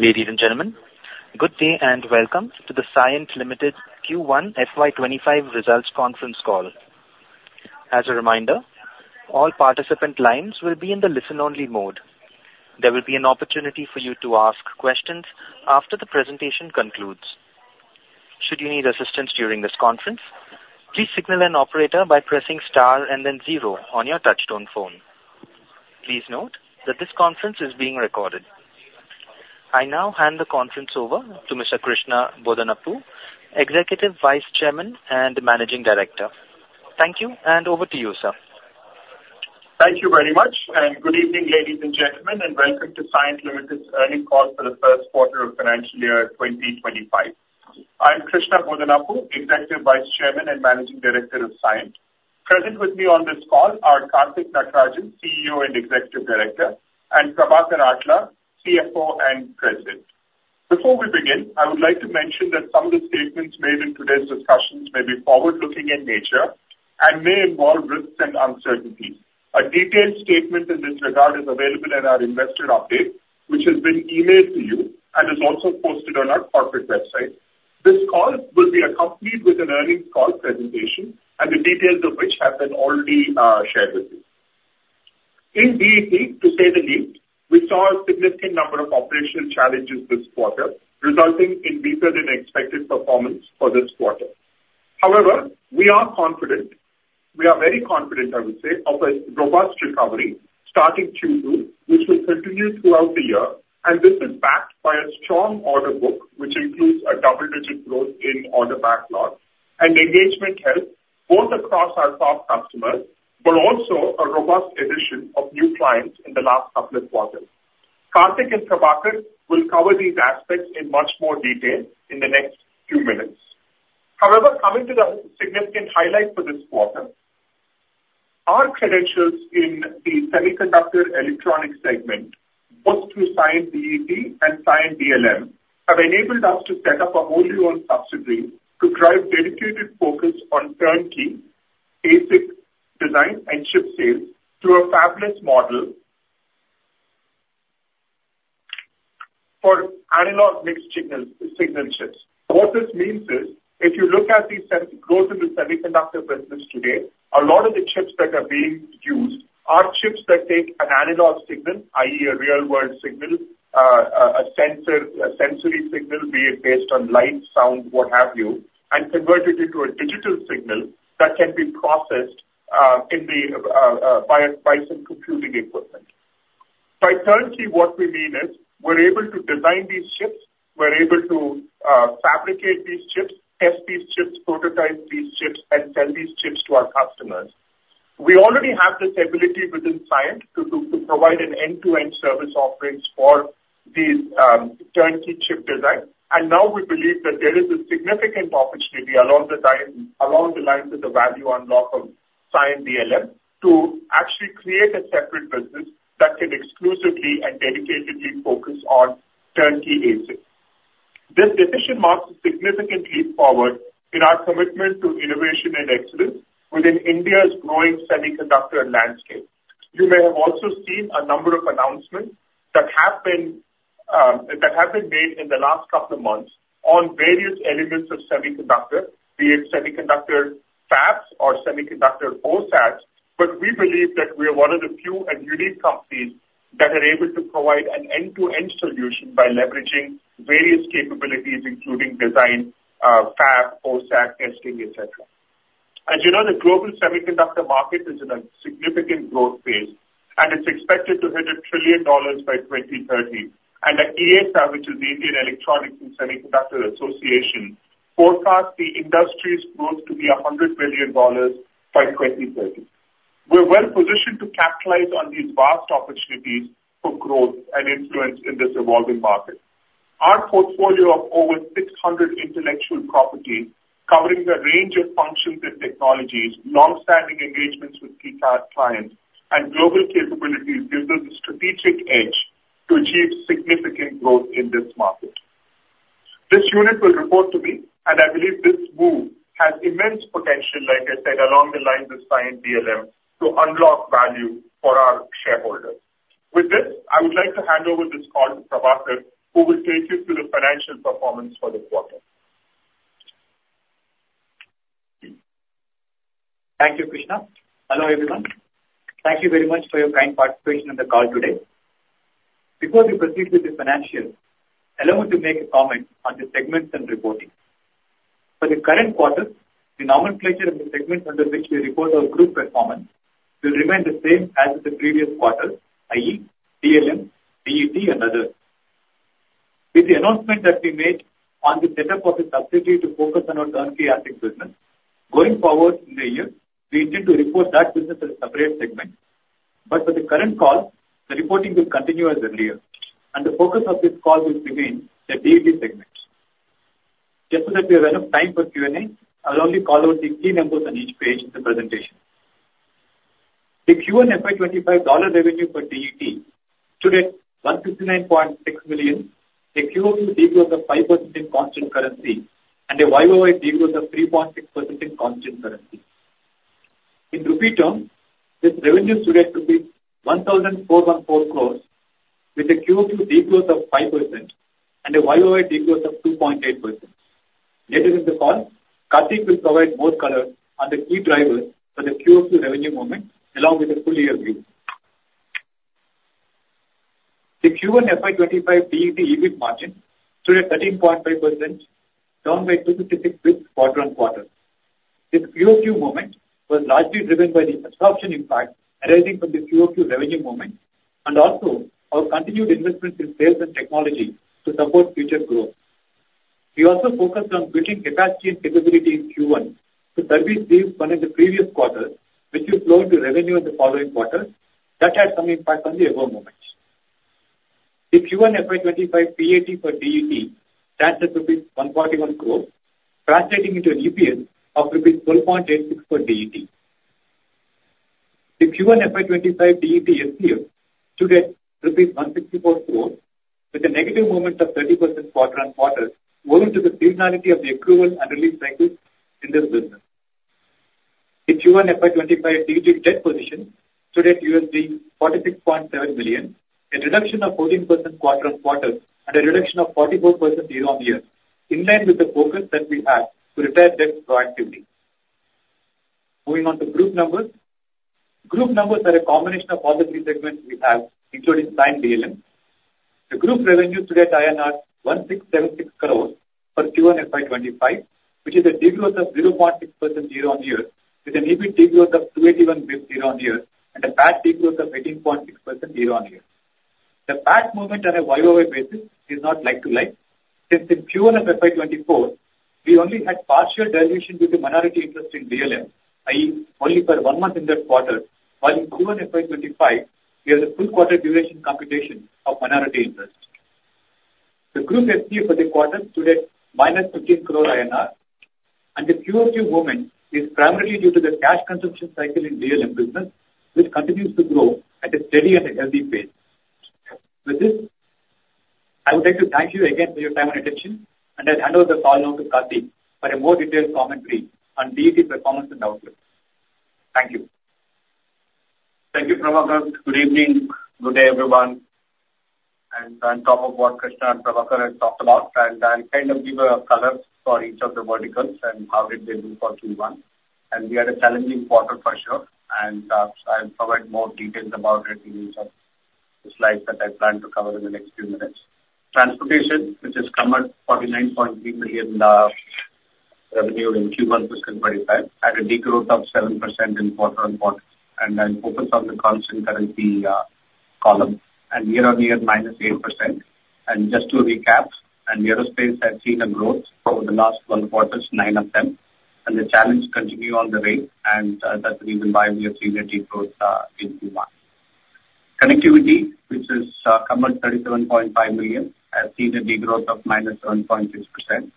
Ladies and gentlemen, good day, and welcome to the Cyient Limited Q1 FY25 Results Conference Call. As a reminder, all participant lines will be in the listen-only mode. There will be an opportunity for you to ask questions after the presentation concludes. Should you need assistance during this conference, please signal an operator by pressing star and then zero on your touch-tone phone. Please note that this conference is being recorded. I now hand the conference over to Mr. Krishna Bodanapu, Executive Vice Chairman and Managing Director. Thank you, and over to you, sir. Thank you very much, and good evening, ladies and gentlemen, and welcome to Cyient Limited's earnings call for the first quarter of financial year 2025. I'm Krishna Bodanapu, Executive Vice Chairman and Managing Director of Cyient. Present with me on this call are Karthik Natarajan, CEO and Executive Director, and Prabhakar Atla, CFO and President. Before we begin, I would like to mention that some of the statements made in today's discussions may be forward-looking in nature and may involve risks and uncertainties. A detailed statement in this regard is available in our investor update, which has been emailed to you and is also posted on our corporate website. This call will be accompanied with an earnings call presentation and the details of which have been already shared with you. In DET, to say the least, we saw a significant number of operational challenges this quarter, resulting in weaker than expected performance for this quarter. However, we are confident, we are very confident, I would say, of a robust recovery starting Q2, which will continue throughout the year, and this is backed by a strong order book, which includes a double-digit growth in order backlog and engagement health, both across our top customers, but also a robust addition of new clients in the last couple of quarters. Karthik and Prabhakar will cover these aspects in much more detail in the next few minutes. However, coming to the significant highlights for this quarter, our credentials in the semiconductor electronic segment, both through Cyient DET and Cyient DLM, have enabled us to set up a wholly owned subsidiary to drive dedicated focus on turnkey ASIC design and chip sales through a fabless model for analog mixed-signal chips. What this means is, if you look at the semi, growth in the semiconductor business today, a lot of the chips that are being used are chips that take an analog signal, i.e., a real-world signal, a sensor, a sensory signal, be it based on light, sound, what have you, and convert it into a digital signal that can be processed by some computing equipment. By turnkey, what we mean is we're able to design these chips, we're able to fabricate these chips, test these chips, prototype these chips, and sell these chips to our customers. We already have this ability within Cyient to provide an end-to-end service offerings for these turnkey chip designs. And now we believe that there is a significant opportunity along the line, along the lines of the value unlock of Cyient DLM, to actually create a separate business that can exclusively and dedicatedly focus on turnkey ASIC. This decision marks a significant leap forward in our commitment to innovation and excellence within India's growing semiconductor landscape. You may have also seen a number of announcements that have been made in the last couple of months on various elements of semiconductor, be it semiconductor fabs or semiconductor OSATs, but we believe that we are one of the few and unique companies that are able to provide an end-to-end solution by leveraging various capabilities, including design, fab, OSAT, testing, et cetera. As you know, the global semiconductor market is in a significant growth phase, and it's expected to hit $1 trillion by 2030. The IESA, which is the India Electronics and Semiconductor Association, forecast the industry's growth to be $100 billion by 2030. We're well positioned to capitalize on these vast opportunities for growth and influence in this evolving market. Our portfolio of over 600 intellectual property, covering a range of functions and technologies, long-standing engagements with key clients and global capabilities, gives us a strategic edge to achieve significant growth in this market. This unit will report to me, and I believe this move has immense potential, like I said, along the lines of Cyient DLM to unlock value for our shareholders. With this, I would like to hand over this call to Prabhakar, who will take you through the financial performance for the quarter. Thank you, Krishna. Hello, everyone. Thank you very much for your kind participation on the call today. Before we proceed with the financials, allow me to make a comment on the segments and reporting. For the current quarter, the nomenclature of the segment under which we report our group performance will remain the same as the previous quarter, i.e., DLM, DET, and other. With the announcement that we made on the setup of a subsidiary to focus on our turnkey ASIC business, going forward in the year, we intend to report that business as a separate segment. But for the current call, the reporting will continue as earlier, and the focus of this call will remain the DET segment. Just so that we have enough time for Q&A, I will only call out the key numbers on each page of the presentation. The Q1 FY2025 $ revenue for DET stood at $159.6 million, a QoQ degrowth of 5% in constant currency and a YoY degrowth of 3.6% in constant currency. In rupee terms, this revenue stood at 1,404 crores, with a QoQ degrowth of 5% and a YoY degrowth of 2.8%. Later in the call, Karthik will provide more color on the key drivers for the QoQ revenue movement, along with the full year view. The Q1 FY2025 DET EBIT margin stood at 13.5%, down by 256 basis points quarter-on-quarter. This QoQ movement was largely driven by the absorption impact arising from the QoQ revenue movement, and also our continued investment in sales and technology to support future growth. We also focused on building capacity and capability in Q1 to service deals won in the previous quarter, which will flow into revenue in the following quarter. That had some impact on the above margins. The Q1 FY25 PAT for DET stands at rupees 141 crore, translating into an EPS of rupees 4.86 per DET. The Q1 FY25 DET FCF stood at rupees 164 crore, with a negative movement of 30% quarter-on-quarter, owing to the seasonality of the accrual and release cycle in this business. The Q1 FY25 DET debt position stood at $46.7 million, a reduction of 14% quarter-on-quarter and a reduction of 44% year-on-year, in line with the focus that we have to retire debt proactively. Moving on to group numbers. Group numbers are a combination of all the three segments we have, including Cyient DLM. The group revenue stood at INR 1,676 crores for Q1 FY25, which is a degrowth of 0.6% year-on-year, with an EBIT degrowth of 281 basis points year-on-year and a PAT degrowth of 18.6% year-on-year. The PAT movement on a YOY basis is not like to like. Since in Q1 of FY24, we only had partial duration with the minority interest in Cyient DLM, i.e., only for one month in that quarter, while in Q1 FY25, we have the full quarter duration computation of minority interest. The Group FCF for the quarter stood at -15 crore INR, and the QOQ movement is primarily due to the cash consumption cycle in DLM business, which continues to grow at a steady and a healthy pace. With this, I would like to thank you again for your time and attention, and I'll hand over the call now to Karthik for a more detailed commentary on DET performance and outlook. Thank you. Thank you, Prabhakar. Good evening. Good day, everyone, and on top of what Krishna and Prabhakar have talked about, and I'll kind of give a color for each of the verticals and how did they do for Q1. We had a challenging quarter for sure, and I'll provide more details about it in each of the slides that I plan to cover in the next few minutes. Transportation, which has come at $49.3 million revenue in Q1 fiscal 2025, had a degrowth of 7% in quarter-on-quarter, and then focus on the constant currency column, and year-on-year, -8%. Just to recap, aerospace has seen a growth over the last 12 quarters, nine of them, and the challenge continue on the way, and that's the reason why we have seen a degrowth in Q1. Connectivity, which is come at $37.5 million, has seen a degrowth of -1.6%,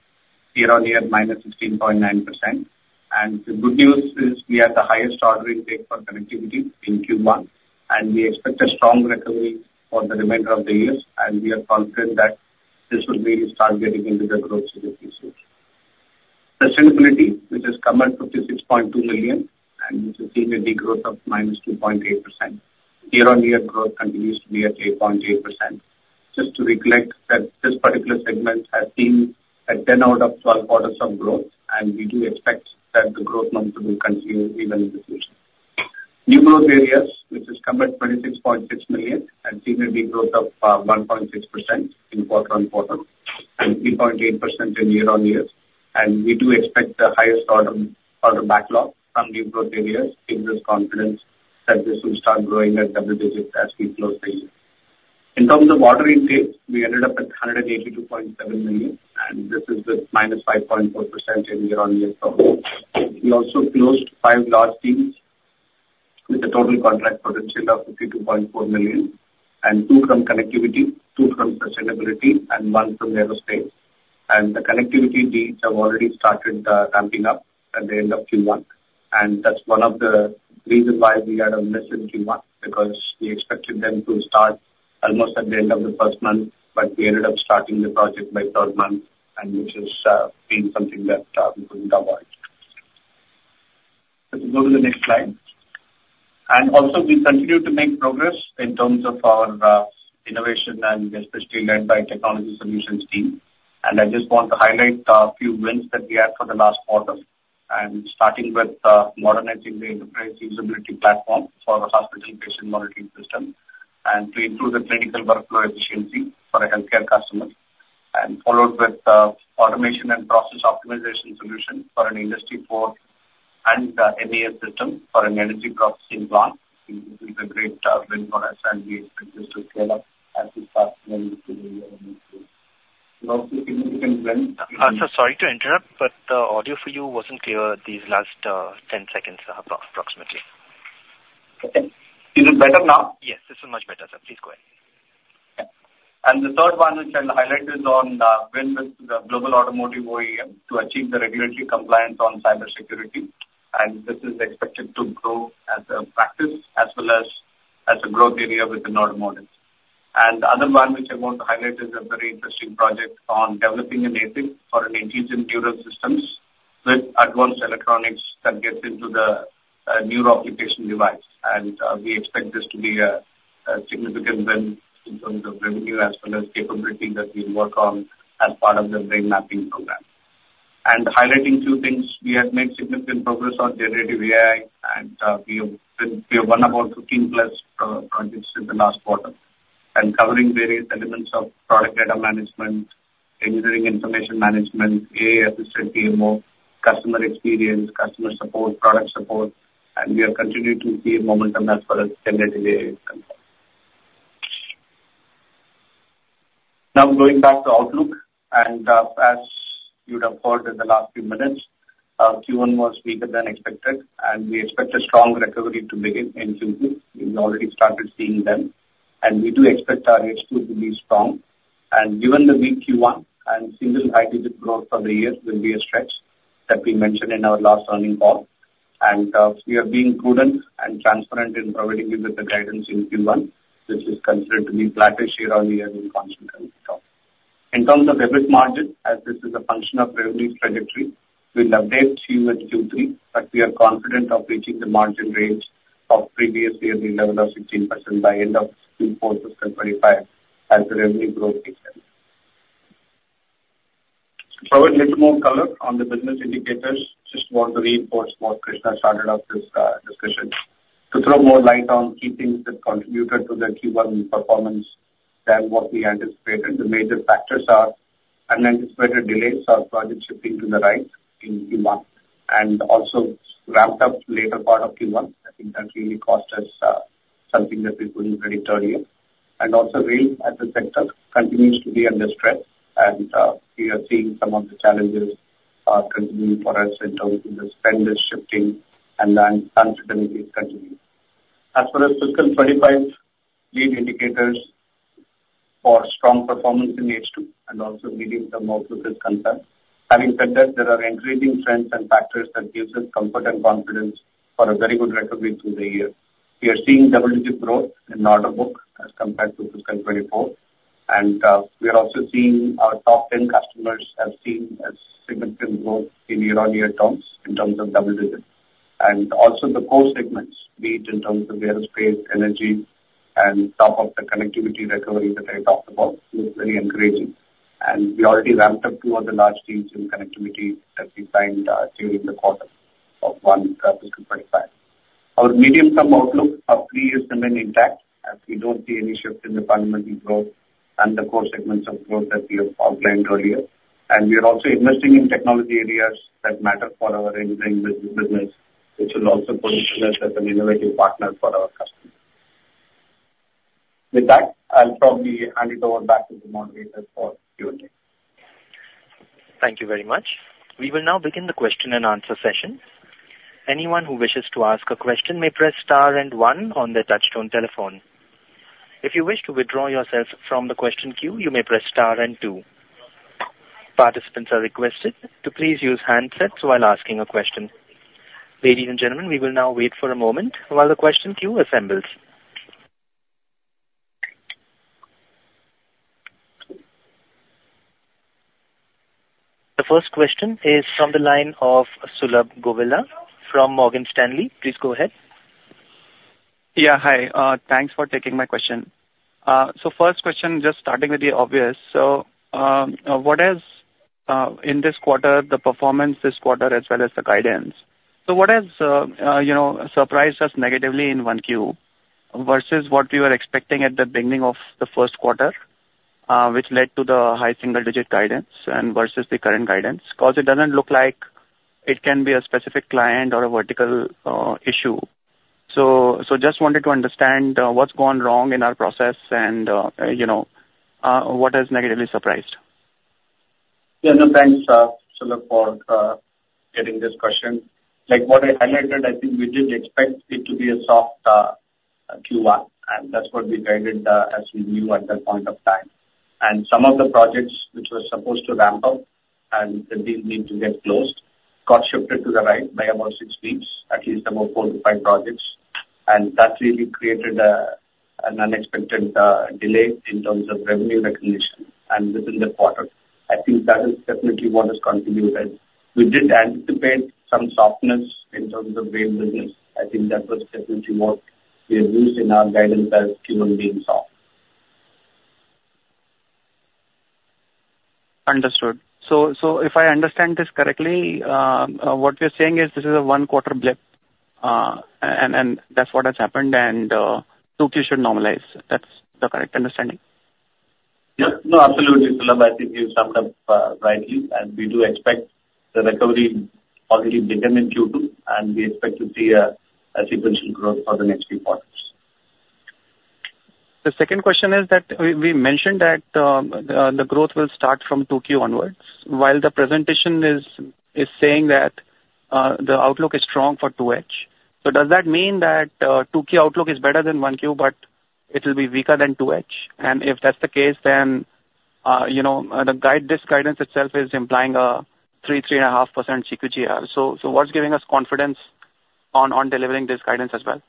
year-over-year, -16.9%. And the good news is we have the highest order intake for connectivity in Q1, and we expect a strong recovery for the remainder of the years. And we are confident that this will really start getting into the growth in the future. Sustainability, which has come at $56.2 million, and this has seen a degrowth of -2.8%. Year-over-year growth continues to be at 8.8%. Just to reflect that this particular segment has seen a 10 out of 12 quarters of growth, and we do expect that the growth momentum will continue even in the future. New Growth Areas, which has come at $26.6 million, and seen a degrowth of 1.6% in quarter-on-quarter and 3.8% in year-on-year. We do expect the highest order backlog from New Growth Areas, gives us confidence that this will start growing at double digits as we close the year. In terms of order intake, we ended up at $182.7 million, and this is with -5.4% in year-on-year growth. We also closed 5 large deals with a total contract potential of $52.4 million, and 2 from Connectivity, 2 from Sustainability and 1 from aerospace. The Connectivity deals have already started ramping up at the end of Q1. That's one of the reasons why we had a miss in Q1, because we expected them to start almost at the end of the first month, but we ended up starting the project by third month, and which has been something that we couldn't avoid. Let's go to the next slide. Also, we continue to make progress in terms of our innovation and especially led by technology solutions team. I just want to highlight a few wins that we had for the last quarter, starting with modernizing the Enterprise Usability Platform for a hospital patient monitoring system, and to improve the clinical workflow efficiency for a healthcare customer. Followed with automation and process optimization solution for an industry port and an MES system for an energy processing plant. It is a great win for us, and we expect this to scale up as we start. Sir, sorry to interrupt, but the audio for you wasn't clear these last 10 seconds, approximately. Okay. Is it better now? Yes, this is much better, sir. Please go ahead. And the third one, which I'll highlight, is on a win with the global automotive OEM to achieve the regulatory compliance on cybersecurity, and this is expected to grow as a practice as well as a growth area within automotive... And the other one which I want to highlight is a very interesting project on developing an ASIC for Active Neuromodulation with advanced electronics that gets into the neurooccupation device. And we expect this to be a significant win in terms of revenue as well as capability that we work on as part of the brain mapping program. Highlighting two things, we have made significant progress on Generative AI, and we have won about 15+ projects in the last quarter, and covering various elements of product data management, engineering, information management, AI-assisted PMO, customer experience, customer support, product support, and we are continuing to see momentum as far as Generative AI is concerned. Now, going back to outlook, and as you'd have heard in the last few minutes, Q1 was weaker than expected, and we expect a strong recovery to begin in Q2. We've already started seeing them, and we do expect our H2 to be strong. And given the weak Q1 and single high digit growth for the year will be a stretch that we mentioned in our last earnings call. We are being prudent and transparent in providing you with the guidance in Q1, which is considered to be flattish year-on-year in constant currency term. In terms of EBIT margin, as this is a function of revenue trajectory, we'll update you with Q3, but we are confident of reaching the margin range of previous year, the level of 16% by end of fiscal 25 as the revenue growth picks up. A little more color on the business indicators. Just want to reinforce what Krishna started off this discussion. To throw more light on key things that contributed to the Q1 performance than what we anticipated. The major factors are unanticipated delays or projects shifting to the right in Q1 and also ramped up later part of Q1. I think that really cost us, something that we were doing very earlier. And also rail as a sector continues to be under stress, and, we are seeing some of the challenges, continuing for us in terms of the spend is shifting and the uncertainty is continuing. As far as fiscal 2025 lead indicators for strong performance in H2 and also medium-term outlook is concerned. Having said that, there are encouraging trends and factors that gives us comfort and confidence for a very good recovery through the year. We are seeing double-digit growth in order book as compared to fiscal 2024. And, we are also seeing our top 10 customers have seen a significant growth in year-on-year terms, in terms of double digits. And also the core segments, be it in terms of aerospace, energy, and top of the connectivity recovery that I talked about, is very encouraging. We already ramped up two of the large deals in connectivity that we signed during the quarter of 1 fiscal 2025. Our medium-term outlook, our three years remain intact as we don't see any shift in the fundamental growth and the core segments of growth that we have outlined earlier. We are also investing in technology areas that matter for our engineering business, which will also position us as an innovative partner for our customers. With that, I'll probably hand it over back to the moderator for Q&A. Thank you very much. We will now begin the question and answer session. Anyone who wishes to ask a question may press star and one on their touchtone telephone. If you wish to withdraw yourself from the question queue, you may press star and two. Participants are requested to please use handsets while asking a question. Ladies and gentlemen, we will now wait for a moment while the question queue assembles. The first question is from the line of Sulabh Govila from Morgan Stanley. Please go ahead. Yeah. Hi, thanks for taking my question. So first question, just starting with the obvious. So, what is, in this quarter, the performance this quarter as well as the guidance? So what has, you know, surprised us negatively in one Q versus what we were expecting at the beginning of the first quarter, which led to the high single digit guidance and versus the current guidance? Because it doesn't look like it can be a specific client or a vertical issue. So just wanted to understand, what's gone wrong in our process and, you know, what has negatively surprised? Yeah, no, thanks, Sulabh, for getting this question. Like what I highlighted, I think we did expect it to be a soft Q1, and that's what we guided, as we knew at that point of time. And some of the projects which were supposed to ramp up and the deal need to get closed, got shifted to the right by about six weeks, at least about four to five projects. And that really created an unexpected delay in terms of revenue recognition and within the quarter. I think that is definitely what has contributed. We did anticipate some softness in terms of rail business. I think that was definitely what we have used in our guidance as Q1 being soft. Understood. So, if I understand this correctly, what you're saying is this is a 1 quarter blip, and that's what has happened and, 2Q should normalize. That's the correct understanding? Yep. No, absolutely, Sulabh. I think you summed up rightly, and we do expect the recovery already begun in Q2, and we expect to see a sequential growth for the next few quarters. The second question is that we mentioned that the growth will start from 2Q onwards, while the presentation is saying that the outlook is strong for 2H. So does that mean that 2Q outlook is better than 1Q, but it will be weaker than 2H? And if that's the case, then you know, this guidance itself is implying a 3%-3.5% CQGR. So what's giving us confidence on delivering this guidance as well?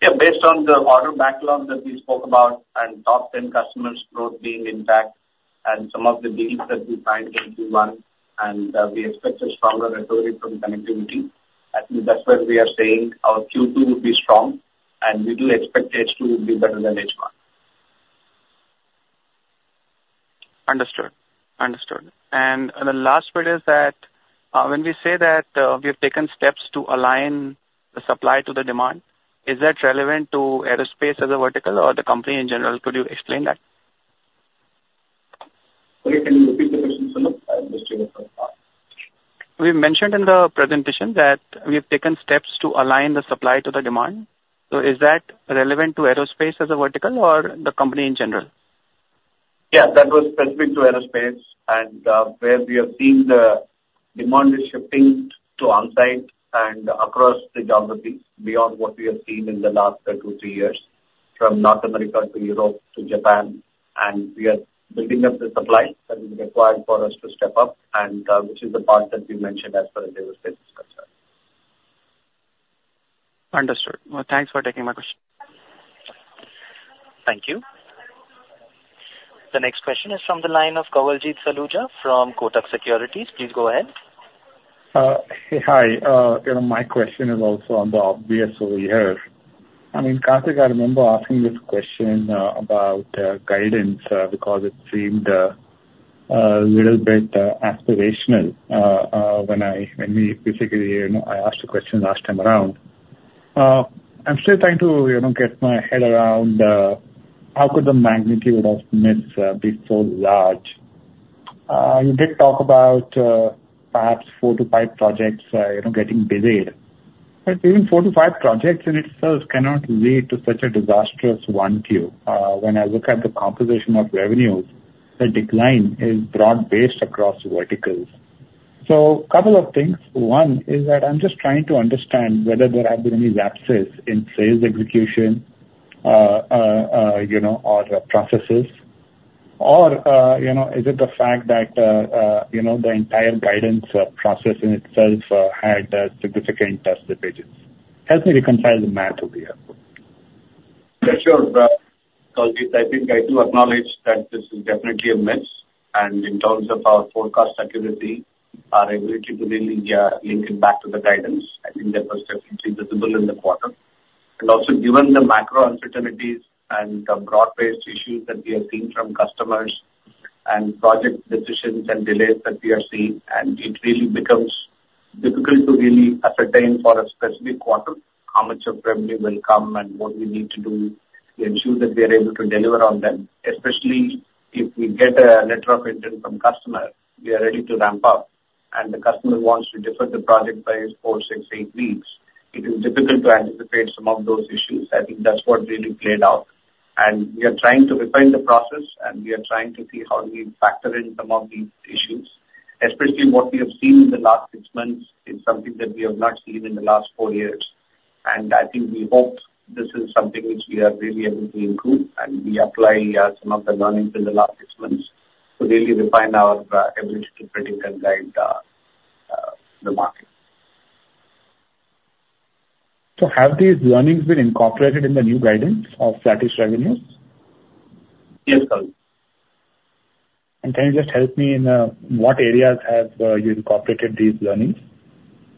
Yeah, based on the order backlog that we spoke about and top ten customers growth being intact, and some of the deals that we signed in Q1, and we expect a stronger recovery from connectivity. I think that's why we are saying our Q2 will be strong and we do expect H2 will be better than H1. Understood. Understood. And the last bit is that, when we say that, we have taken steps to align the supply to the demand, is that relevant to aerospace as a vertical or the company in general? Could you explain that? Wait, can you repeat the question for me? I missed it the first time. We mentioned in the presentation that we have taken steps to align the supply to the demand. So is that relevant to aerospace as a vertical or the company in general? Yeah, that was specific to aerospace and, where we have seen the demand is shifting to on-site and across the geographies beyond what we have seen in the last two, three years, from North America to Europe to Japan. And we are building up the supply that is required for us to step up and, which is the part that we mentioned as far as aerospace is concerned. Understood. Well, thanks for taking my question. Thank you. The next question is from the line of Kawaljeet Saluja from Kotak Securities. Please go ahead. Hey, hi. You know, my question is also on the obvious over here. I mean, Karthik, I remember asking this question about guidance because it seemed a little bit aspirational. When I, when we basically, you know, I asked the question last time around. I'm still trying to, you know, get my head around how could the magnitude of miss be so large? You did talk about perhaps 4-5 projects, you know, getting delayed. But even 4-5 projects in itself cannot lead to such a disastrous 1Q. When I look at the composition of revenues, the decline is broad-based across verticals. So couple of things. One is that I'm just trying to understand whether there have been any lapses in sales execution, you know, or processes. Or, you know, is it the fact that, you know, the entire guidance process in itself had a significant participating? Help me reconcile the math over here. Yeah, sure, Kawaljeet, I think I do acknowledge that this is definitely a miss, and in terms of our forecast accuracy, our ability to really link it back to the guidance, I think that was definitely visible in the quarter. Also, given the macro uncertainties and the broad-based issues that we have seen from customers and project decisions and delays that we are seeing, it really becomes difficult to really ascertain for a specific quarter how much of revenue will come and what we need to do to ensure that we are able to deliver on them. Especially if we get a letter of intent from customer, we are ready to ramp up, and the customer wants to defer the project by four, six, eight weeks, it is difficult to anticipate some of those issues. I think that's what really played out, and we are trying to refine the process, and we are trying to see how do we factor in some of these issues. Especially what we have seen in the last six months is something that we have not seen in the last four years. And I think we hope this is something which we are really able to improve, and we apply some of the learnings in the last six months to really refine our ability to predict and guide the market. Have these learnings been incorporated in the new guidance of flat is revenues? Yes, Kawaljit. Can you just help me in what areas have you incorporated these learnings?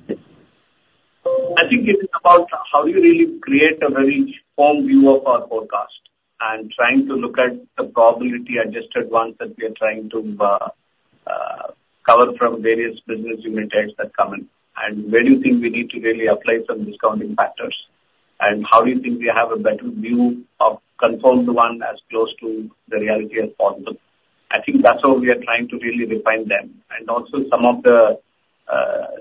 I think it is about how do you really create a very strong view of our forecast, and trying to look at the probability-adjusted ones that we are trying to cover from various business units that come in, and where do you think we need to really apply some discounting factors? And how do you think we have a better view of confirmed one as close to the reality as possible? I think that's how we are trying to really refine them. And also some of the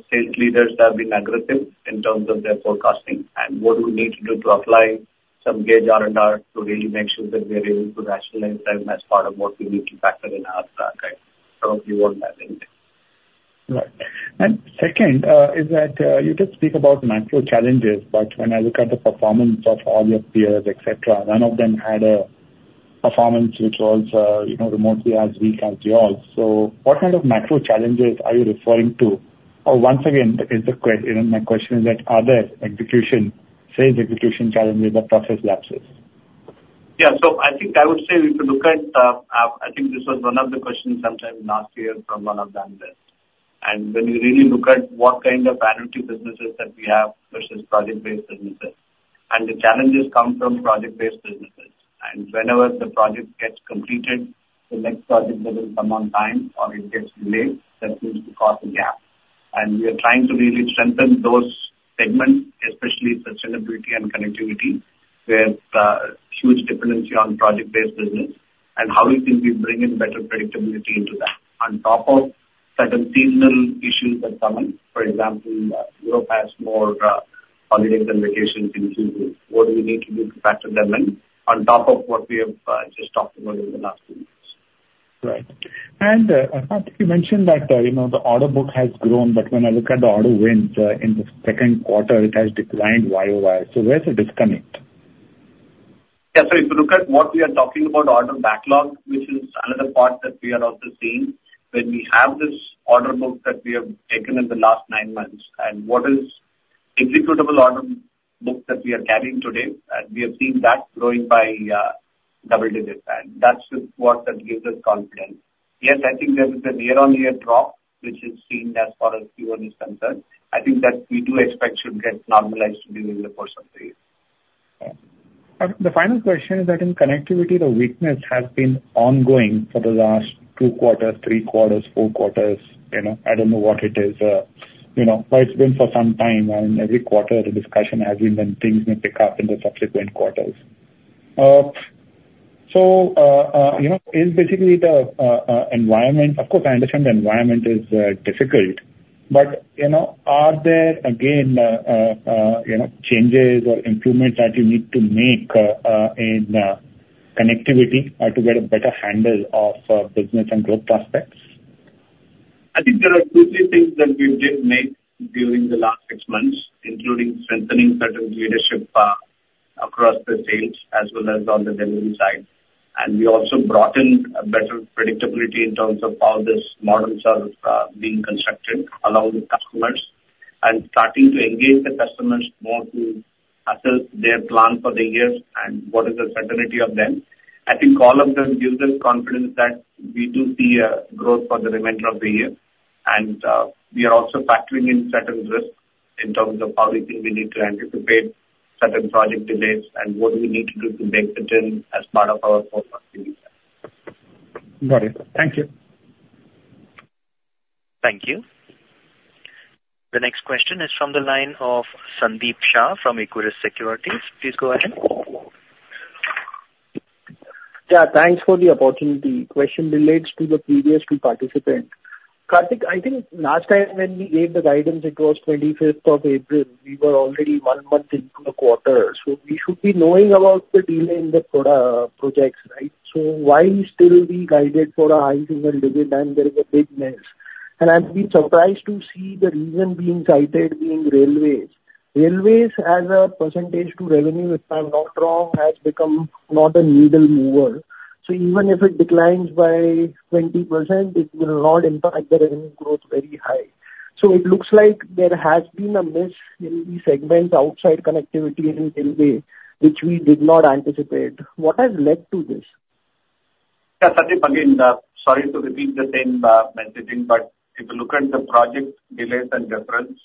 sales leaders have been aggressive in terms of their forecasting and what we need to do to apply some Gage R&R to really make sure that we are able to rationalize them as part of what we need to factor in our guidance. So we work on that end. Right. And second, is that you did speak about macro challenges, but when I look at the performance of all your peers, et cetera, none of them had a performance which was, you know, remotely as weak as you all. So what kind of macro challenges are you referring to? Or once again, you know, my question is that, are there execution, sales execution challenges or process lapses? Yeah. So I think I would say if you look at, I think this was one of the questions sometime last year from one of the analysts. And when you really look at what kind of annuity businesses that we have versus project-based businesses, and the challenges come from project-based businesses. And whenever the project gets completed, the next project doesn't come on time or it gets delayed, that seems to cause a gap. And we are trying to really strengthen those segments, especially Sustainability and Connectivity, with huge dependency on project-based business, and how we can bring in better predictability into that. On top of certain seasonal issues that come in, for example, Europe has more holidays and vacations in Q. What do we need to do to factor them in on top of what we have just talked about in the last few years? Right. Karthik, you mentioned that, you know, the order book has grown, but when I look at the order wins, in the second quarter, it has declined YOY, so where's the disconnect?... Yeah, so if you look at what we are talking about order backlog, which is another part that we are also seeing, when we have this order book that we have taken in the last nine months, and what is executable order book that we are carrying today, and we are seeing that growing by double digits, and that's just what that gives us confidence. Yes, I think there is a year-on-year drop, which is seen as far as Q1 is concerned. I think that we do expect should get normalized during the course of the year. The final question is that in connectivity, the weakness has been ongoing for the last 2 quarters, 3 quarters, 4 quarters, you know, I don't know what it is, you know, but it's been for some time, and every quarter the discussion has been when things may pick up in the subsequent quarters. So, you know, is basically the environment... Of course, I understand the environment is difficult, but, you know, are there again, you know, changes or improvements that you need to make in connectivity or to get a better handle of business and growth prospects? I think there are 2, 3 things that we did make during the last 6 months, including strengthening certain leadership across the sales as well as on the delivery side. And we also brought in a better predictability in terms of how these models are being constructed along with customers, and starting to engage the customers more to assess their plan for the year and what is the certainty of them. I think all of them gives us confidence that we do see a growth for the remainder of the year. And we are also factoring in certain risks in terms of how we think we need to anticipate certain project delays and what we need to do to make the turn as part of our fourth quarter. Got it. Thank you. Thank you. The next question is from the line of Sandeep Shah from Equirus Securities. Please go ahead. Yeah, thanks for the opportunity. Question relates to the previous two participant. Karthik, I think last time when we gave the guidance, it was 25th of April. We were already one month into the quarter, so we should be knowing about the delay in the product projects, right? So why still we guided for a high single digit and there is a big miss. And I've been surprised to see the reason being cited being railways. Railways as a percentage to revenue, if I'm not wrong, has become not a needle mover. So even if it declines by 20%, it will not impact the revenue growth very high. So it looks like there has been a miss in the segments outside connectivity and railway, which we did not anticipate. What has led to this? Yeah, Sandeep, again, sorry to repeat the same messaging, but if you look at the project delays and reference,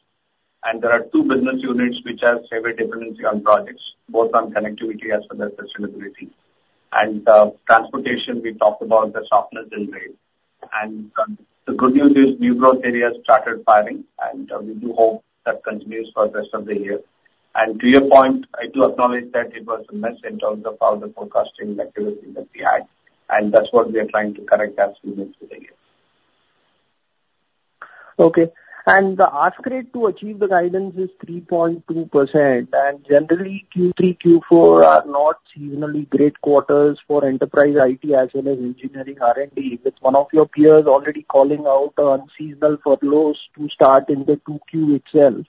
and there are two business units which have heavy dependency on projects, both on connectivity as well as sustainability. And, transportation, we talked about the softness in rail. And, the good news is new growth areas started firing, and, we do hope that continues for the rest of the year. And to your point, I do acknowledge that it was a mess in terms of how the forecasting activity that we had, and that's what we are trying to correct as we move through the year. Okay. The ask rate to achieve the guidance is 3.2%, and generally, Q3, Q4 are not seasonally great quarters for enterprise IT as well as engineering R&D, with one of your peers already calling out on unseasonal furloughs to start in the 2Q itself.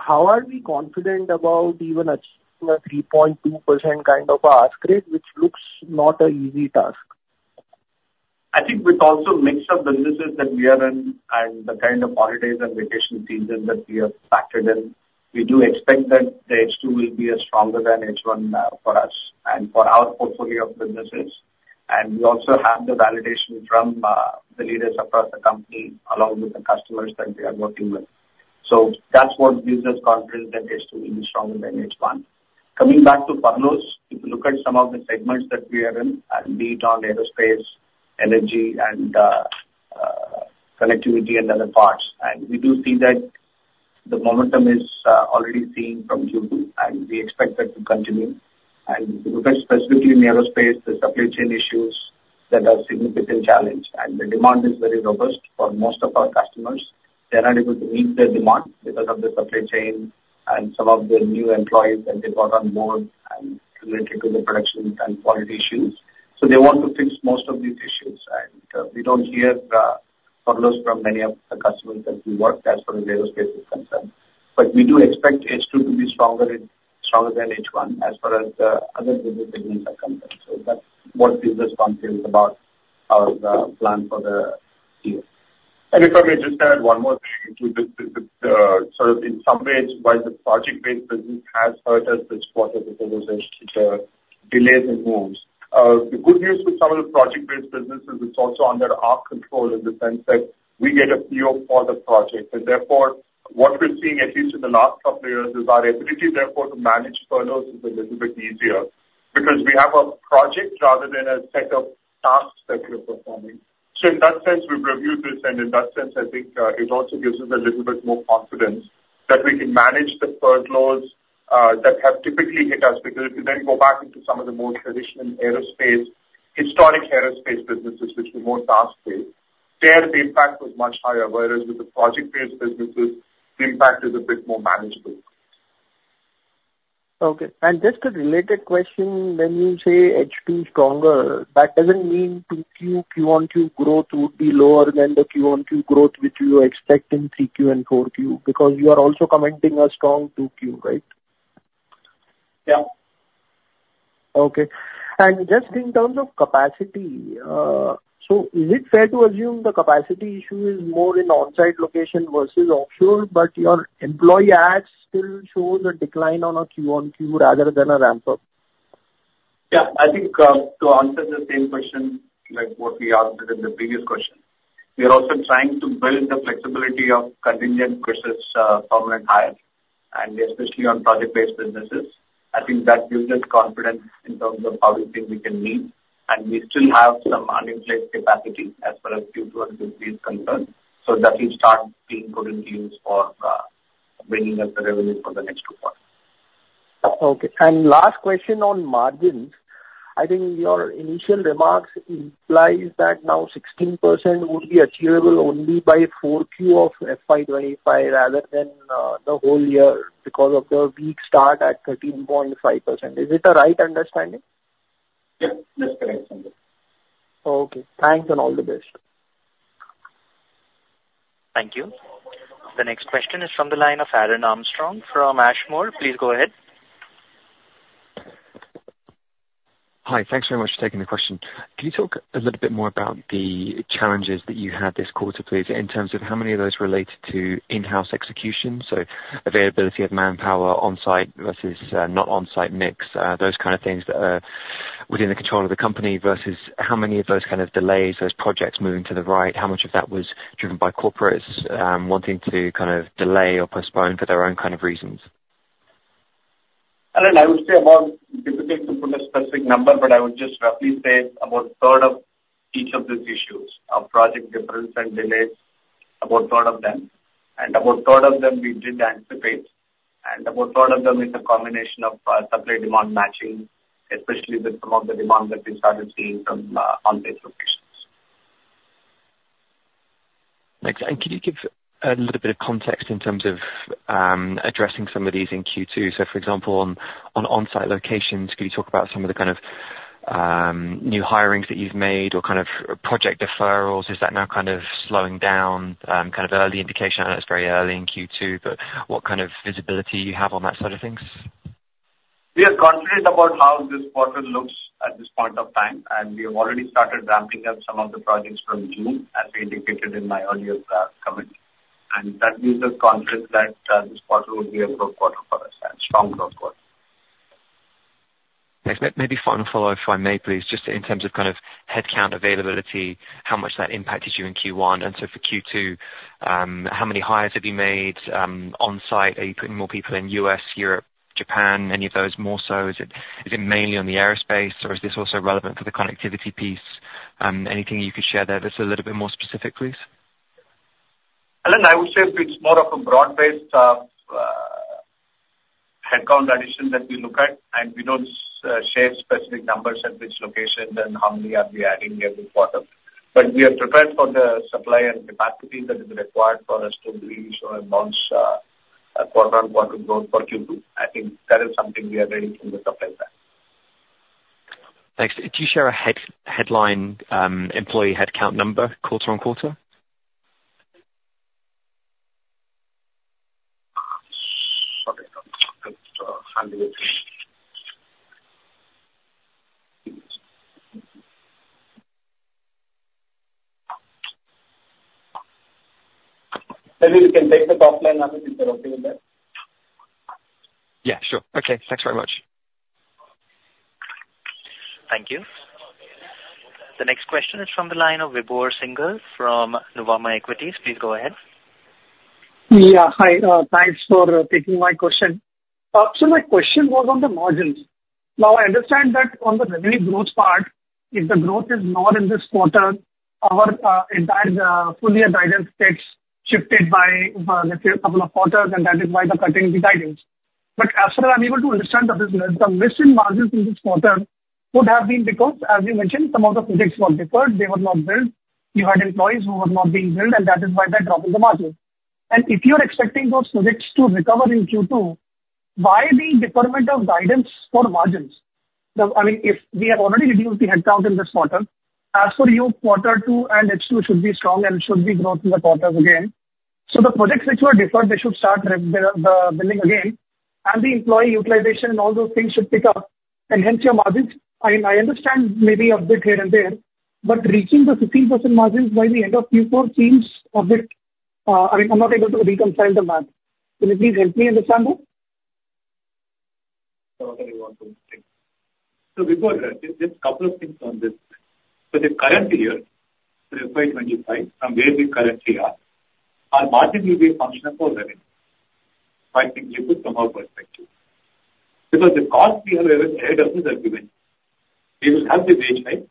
How are we confident about even achieving a 3.2% kind of ask rate, which looks not an easy task? I think with also mix of businesses that we are in and the kind of holidays and vacation seasons that we have factored in, we do expect that the H2 will be stronger than H1, for us and for our portfolio of businesses. And we also have the validation from the leaders across the company, along with the customers that we are working with. So that's what gives us confidence that H2 will be stronger than H1. Coming back to furloughs, if you look at some of the segments that we are in, and be it on aerospace, energy, and connectivity and other parts, and we do see that the momentum is already seen from Q2, and we expect that to continue. And if you look at specifically in aerospace, the supply chain issues that are significant challenge, and the demand is very robust for most of our customers. They're unable to meet their demand because of the supply chain and some of the new employees that they brought on board and related to the production and quality issues. So they want to fix most of these issues, and we don't hear furloughs from many of the customers that we work with as far as aerospace is concerned. But we do expect H2 to be stronger, stronger than H1 as far as the other business segments are concerned. So that's what gives us confidence about our plan for the year. And if I may just add one more thing to this, sort of in some ways, while the project-based business has hurt us this quarter because of the delays in moves. The good news with some of the project-based businesses, it's also under our control in the sense that we get a feel for the project. And therefore, what we're seeing, at least in the last couple of years, is our ability, therefore, to manage furloughs is a little bit easier because we have a project rather than a set of tasks that we're performing. So in that sense, we've reviewed this, and in that sense, I think it also gives us a little bit more confidence that we can manage the furloughs that have typically hit us. Because if you then go back into some of the more traditional aerospace, historic aerospace businesses, which were more task-based, there the impact was much higher. Whereas with the project-based businesses, the impact is a bit more manageable. Okay, and just a related question. When you say H2 is stronger, that doesn't mean 2Q, QoQ growth would be lower than the QoQ growth, which you expect in 3Q and 4Q, because you are also commenting a strong 2Q, right?... Yeah. Okay. And just in terms of capacity, so is it fair to assume the capacity issue is more in on-site location versus offshore, but your employee adds still show the decline on a Q-o-Q rather than a ramp-up? Yeah, I think, to answer the same question, like what we asked in the previous question, we are also trying to build the flexibility of contingent versus permanent hire, and especially on project-based businesses. I think that gives us confidence in terms of how we think we can meet, and we still have some uninflated capacity as far as Q2 is concerned, so that will start being put into use for bringing up the revenue for the next two quarters. Okay. And last question on margins. I think your initial remarks implies that now 16% would be achievable only by 4Q of FY 2025, rather than the whole year, because of the weak start at 13.5%. Is it the right understanding? Yeah, that's correct. Okay. Thanks, and all the best. Thank you. The next question is from the line of Aaron Armstrong from Ashmore. Please go ahead. Hi. Thanks very much for taking the question. Can you talk a little bit more about the challenges that you had this quarter, please, in terms of how many of those related to in-house execution? So availability of manpower on-site versus not on-site mix, those kind of things that are within the control of the company, versus how many of those kind of delays, those projects moving to the right, how much of that was driven by corporates wanting to kind of delay or postpone for their own kind of reasons? And I would say, about difficult to put a specific number, but I would just roughly say about a third of each of these issues of project deferrals and delays, about a third of them, and about a third of them we did anticipate, and about a third of them is a combination of supply-demand matching, especially with some of the demand that we started seeing from on-site locations. Thanks. And can you give a little bit of context in terms of addressing some of these in Q2? So, for example, on on-site locations, can you talk about some of the kind of new hirings that you've made or kind of project deferrals? Is that now kind of slowing down, kind of early indication? I know it's very early in Q2, but what kind of visibility you have on that sort of things? We are confident about how this quarter looks at this point of time, and we have already started ramping up some of the projects from June, as I indicated in my earlier comment. And that gives us confidence that, this quarter will be a good quarter for us, a strong growth quarter. Thanks. Maybe final follow-up, if I may, please. Just in terms of kind of headcount availability, how much that impacted you in Q1, and so for Q2, how many hires have you made, on-site? Are you putting more people in U.S., Europe, Japan, any of those more so? Is it, is it mainly on the aerospace, or is this also relevant for the connectivity piece? Anything you could share there that's a little bit more specific, please? Alan, I would say it's more of a broad-based headcount addition that we look at, and we don't share specific numbers at which locations and how many are we adding every quarter. But we are prepared for the supply and capacity that is required for us to reach or announce a quarter-over-quarter growth for Q2. I think that is something we are ready from the supply side. Thanks. Could you share a headline employee headcount number, quarter-over-quarter? Okay. Maybe you can take the top line number, okay with that? Yeah, sure. Okay. Thanks very much. Thank you. The next question is from the line of Vibhor Singhal from Nuvama Equities. Please go ahead. Yeah, hi. Thanks for taking my question. So my question was on the margins. Now, I understand that on the revenue growth part, if the growth is more in this quarter, our entire full year guidance gets shifted by, let's say, a couple of quarters, and that is why the cutting guidance. But as far as I'm able to understand the business, the missing margins in this quarter would have been because, as you mentioned, some of the projects were deferred. They were not built. You had employees who were not being billed, and that is why they drop in the margins. And if you're expecting those projects to recover in Q2, why the deferment of guidance for margins? The... I mean, if we have already reduced the headcount in this quarter, as for you, quarter two and H2 should be strong and should be growth in the quarters again. So the projects which were deferred, they should start the billing again, and the employee utilization and all those things should pick up, and hence your margins. I understand maybe a bit here and there, but reaching the 15% margins by the end of Q4 seems a bit, I mean, I'm not able to reconcile the math. Can you please help me understand that? So before that, just a couple of things on this. So the current year, the FY 25, from where we currently are, our margin will be a function of our revenue, quite significantly from our perspective. Because the costs we have ahead of us are given. We will have the wage hike,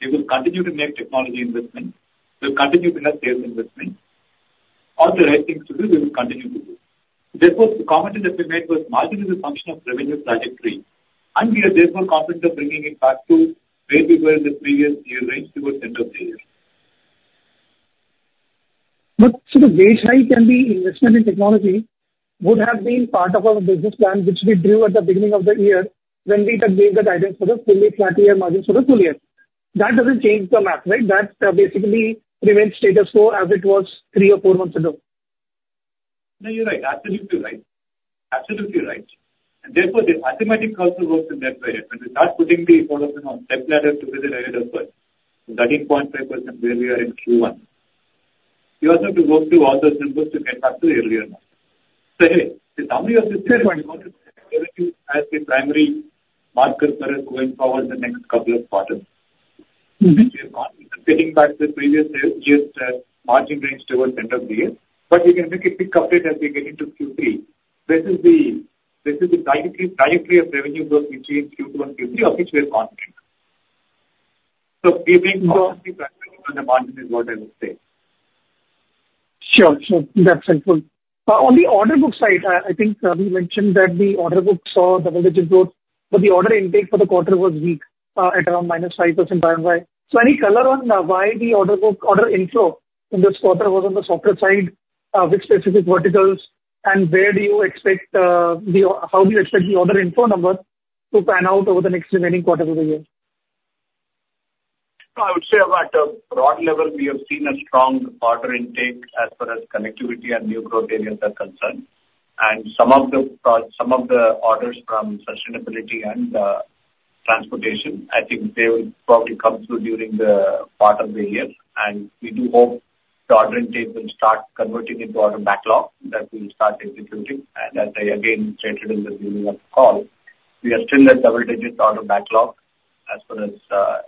we will continue to make technology investment, we'll continue to make sales investment. All the right things to do, we will continue to do. Therefore, the comment that we made was margin is a function of revenue trajectory, and we are therefore confident of bringing it back to where we were in the previous year, right towards the end of the year. The wage hike and the investment in technology would have been part of our business plan, which we drew at the beginning of the year when we gave the guidance for the fully flat year margins for the full year. That doesn't change the math, right? That basically remains status quo as it was three or four months ago. No, you're right. Absolutely right. Absolutely right. And therefore, the arithmetic also works in that way. If we start putting the foot on the pedal to visit ahead of us, 13.5% where we are in Q1, we also have to go through all those numbers to get back to earlier now. So hey, the summary of this as the primary marker for us going forward the next couple of quarters. Mm-hmm. Getting back to the previous years, margin range towards end of the year. But you can make a pickup as we get into Q3. This is the trajectory of revenue growth between Q2 and Q3, of which we are confident. So we will be constantly focusing on the margin is what I would say. Sure, sure. That's helpful. On the order book side, I think, we mentioned that the order book saw double-digit growth, but the order intake for the quarter was weak, at around -5% year-on-year. So any color on why the order book, order inflow in this quarter was on the softer side, which specific verticals, and how do you expect the order inflow number to pan out over the next remaining quarters of the year? I would say at a broad level, we have seen a strong order intake as far as Connectivity and New Growth Areas are concerned. And some of the orders from Sustainability and Transportation, I think they will probably come through during the bottom of the year. And we do hope the order intake will start converting into order backlog, that we'll start executing. And as I again stated in the beginning of the call, we are still at double digits order backlog as far as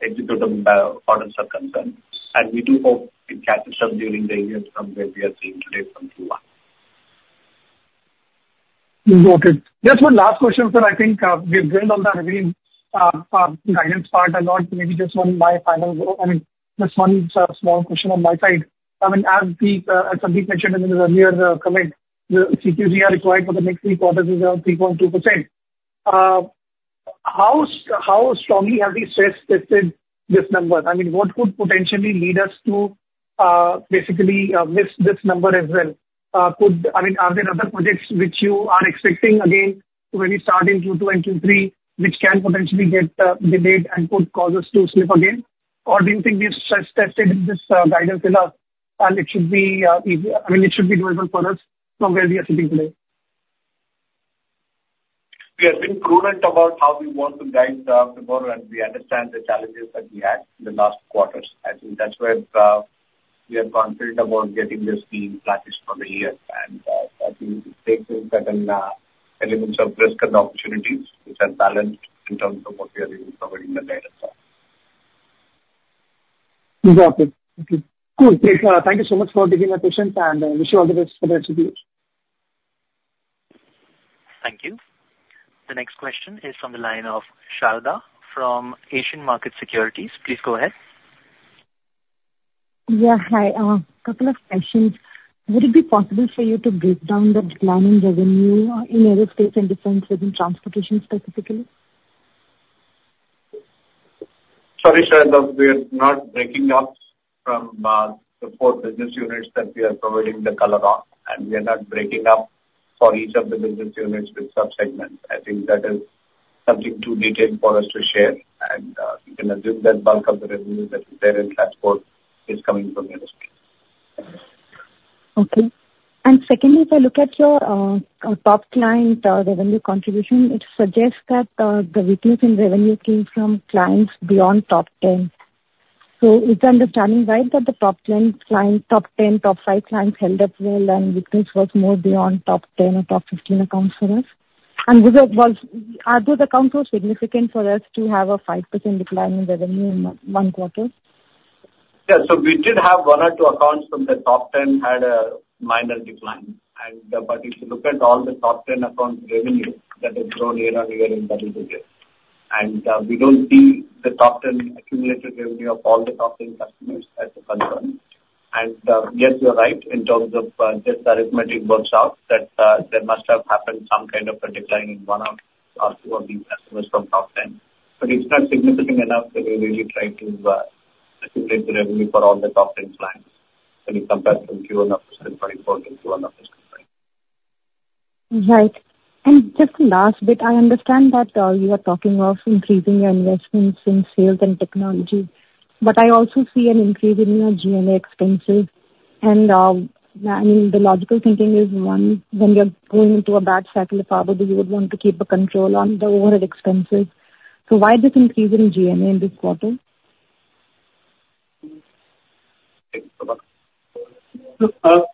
executable orders are concerned, and we do hope it catches up during the year from where we are seeing today from Q1. Noted. Just one last question, sir. I think, we've built on the revenue, guidance part a lot. Maybe just one my final word, I mean, just one, small question on my side. I mean, as we, as Sandeep mentioned in his earlier, comment, the CAGR required for the next three quarters is around 3.2%. How strongly have we stress tested this number? I mean, what could potentially lead us to, basically, miss this number as well? Could... I mean, are there other projects which you are expecting again to really start in Q2 and Q3, which can potentially get, delayed and could cause us to slip again? Or do you think we've stress tested this, guidance enough, and it should be, easy, I mean, it should be doable for us from where we are sitting today? We have been prudent about how we want to guide forward, and we understand the challenges that we had in the last quarters. I think that's where we are confident about getting this being practiced for the year. I think it takes in certain elements of risk and opportunities which are balanced in terms of what we are providing the guidance for. Got it. Okay. Cool. Thank you so much for taking my questions, and wish you all the best for the rest of the year. Thank you. The next question is from the line of Shradha from Asian Markets Securities. Please go ahead. Yeah, hi. Couple of questions. Would it be possible for you to break down the declining revenue in aerospace and defense within transportation specifically? Sorry, Shradha, we are not breaking up from the four business units that we are providing the color on, and we are not breaking up for each of the business units with subsegments. I think that is something too detailed for us to share, and you can assume that bulk of the revenue that is there in transport is coming from aerospace. Okay. And secondly, if I look at your top client revenue contribution, it suggests that the weakness in revenue came from clients beyond top ten. So is the understanding right, that the top ten client, top ten, top five clients held up well, and weakness was more beyond top ten or top fifteen accounts for us? And are those accounts so significant for us to have a 5% decline in revenue in one quarter? Yeah. So we did have one or two accounts from the top 10, had a minor decline. But if you look at all the top 10 accounts' revenue, that has grown year-on-year in double digits. And we don't see the top 10 accumulated revenue of all the top 10 customers as a concern. And yes, you're right, in terms of just the arithmetic works out, that there must have happened some kind of a decline in one of or two of these customers from top 10. But it's not significant enough that we really try to aggregate the revenue for all the top 10 clients when you compare from Q1 of 2024 to Q1 of this current year. Right. And just the last bit, I understand that you are talking of increasing your investments in sales and technology, but I also see an increase in your G&A expenses. And I mean, the logical thinking is one, when you're going into a bad cycle of aero, you would want to keep a control on the overhead expenses. So why this increase in G&A in this quarter? Thanks for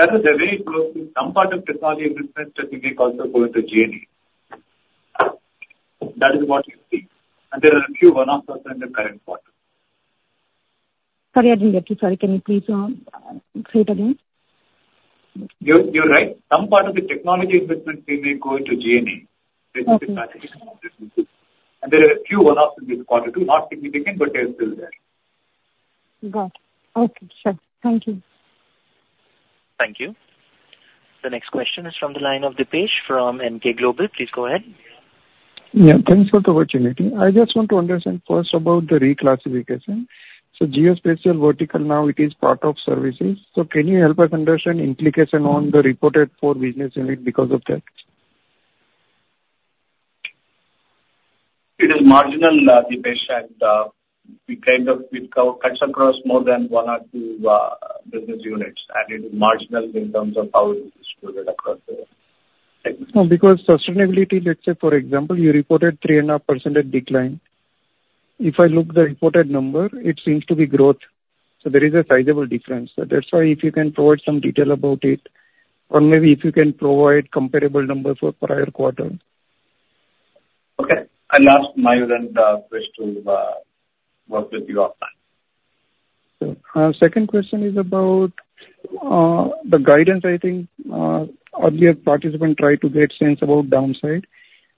that. Shradha, the way it goes, some part of technology investment that may also go into G&A. That is what you see. There are a few one-offs also in the current quarter. Sorry, I didn't get you. Sorry, can you please say it again? You're right. Some part of the technology investment may be going to G&A. Okay. There are a few one-offs in this quarter, too. Not significant, but they're still there. Got it. Okay, sure. Thank you. Thank you. The next question is from the line of Dipesh from Emkay Global. Please go ahead. Yeah, thanks for the opportunity. I just want to understand first about the reclassification. So geospatial vertical, now it is part of services. So can you help us understand implication on the reported four business unit because of that?... It is marginal, Dipesh, and it cuts across more than one or two business units, and it is marginal in terms of how it is distributed across the world. No, because sustainability, let's say, for example, you reported 3.5% a decline. If I look at the reported number, it seems to be growth, so there is a sizable difference. So that's why if you can provide some detail about it, or maybe if you can provide comparable numbers for prior quarter. Okay. I'll ask Mayur and Krish to work with you on that. So, second question is about the guidance. I think earlier participant tried to get sense about downside.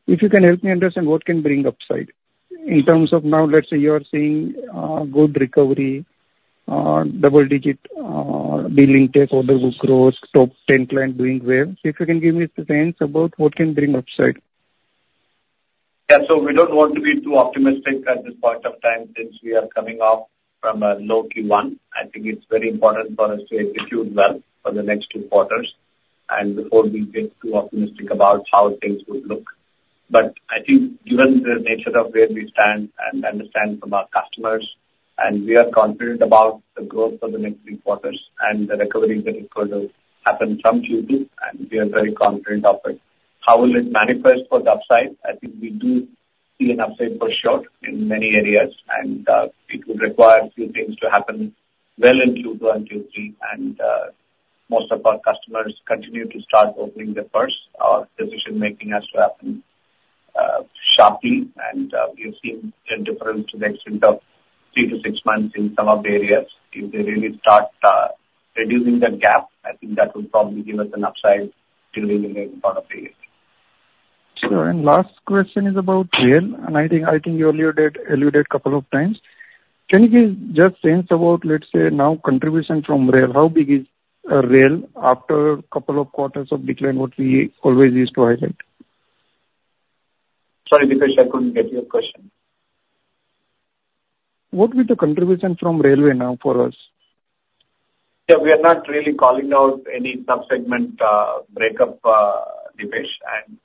If you can help me understand what can bring upside. In terms of now, let's say, you are seeing good recovery, double digit billing tech order book growth, top 10 client doing well. So if you can give me sense about what can bring upside? Yeah, so we don't want to be too optimistic at this point of time, since we are coming off from a low Q1. I think it's very important for us to execute well for the next two quarters, and before we get too optimistic about how things would look. But I think given the nature of where we stand and understand from our customers, and we are confident about the growth for the next three quarters and the recovery that it could happen from Q2, and we are very confident of it. How will it manifest for the upside? I think we do see an upside for sure in many areas, and it would require a few things to happen well into Q1, Q2, and most of our customers continue to start opening their purse. Our decision-making has to happen sharply, and we've seen a difference to the extent of 3-6 months in some of the areas. If they really start reducing the gap, I think that would probably give us an upside till the end part of the year. Sure, and last question is about rail, and I think, I think you alluded, alluded couple of times. Can you give just sense about, let's say, now, contribution from rail? How big is rail after couple of quarters of decline, what we always used to highlight? Sorry, Dipesh, I couldn't get your question. What will the contribution from railway now for us? Yeah, we are not really calling out any sub-segment breakup, Dipesh, and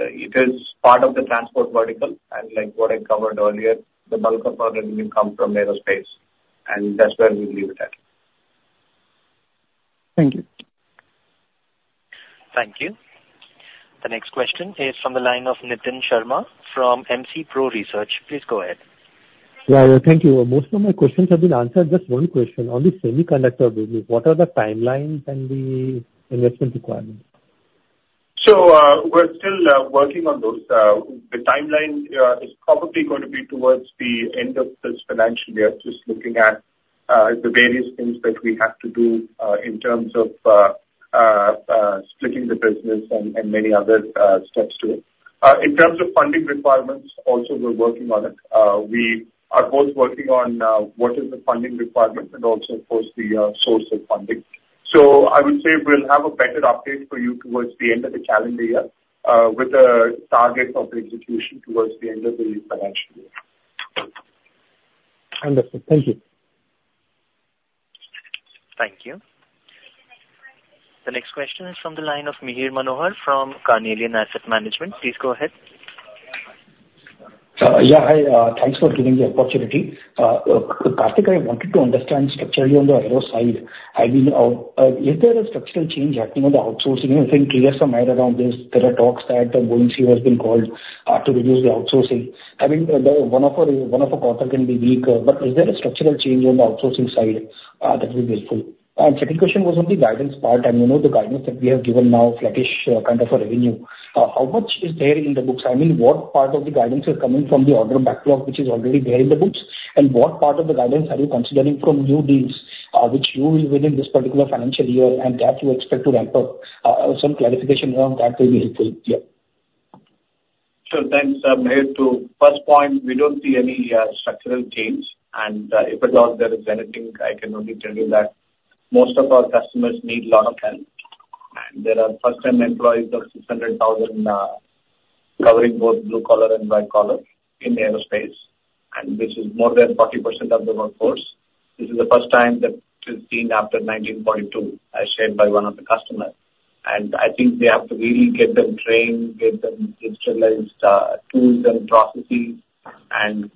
it is part of the Transportation vertical. Like what I covered earlier, the bulk of our revenue come from aerospace, and that's where we leave it at. Thank you. Thank you. The next question is from the line of Nitin Sharma from MC Pro Research. Please go ahead. Yeah, thank you. Most of my questions have been answered. Just one question on the semiconductor business, what are the timelines and the investment requirements? So, we're still working on those. The timeline is probably going to be towards the end of this financial year. Just looking at the various things that we have to do in terms of splitting the business and many other steps to it. In terms of funding requirements, also we're working on it. We are both working on what is the funding requirement and also, of course, the source of funding. So I would say we'll have a better update for you towards the end of the calendar year with the target of the execution towards the end of the financial year. Understood. Thank you. Thank you. The next question is from the line of Mihir Manohar from Carnelian Asset Management. Please go ahead. Yeah, hi. Thanks for giving the opportunity. Karthik, I wanted to understand structurally on the aero side, I mean, is there a structural change happening on the outsourcing? I think clear the air around this. There are talks that the Boeing CEO has been called to reduce the outsourcing. I mean, one of our quarter can be weak, but is there a structural change on the outsourcing side? That will be helpful. Second question was on the guidance part, and you know, the guidance that we have given now, flattish kind of a revenue. How much is there in the books? I mean, what part of the guidance is coming from the order backlog, which is already there in the books, and what part of the guidance are you considering from new deals, which you will win in this particular financial year and that you expect to ramp up? Some clarification around that will be helpful. Yeah. Sure, thanks, Mihir. To first point, we don't see any structural change, and if at all there is anything, I can only tell you that most of our customers need a lot of help. And there are first time employees of 600,000 covering both blue collar and white collar in the aerospace, and this is more than 40% of the workforce. This is the first time that this is seen after 1942, as shared by one of the customers. And I think they have to really get them trained, get them digitalized tools and processes, and